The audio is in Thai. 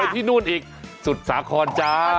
ออกไปที่โดนอีกสุดสาครจ้า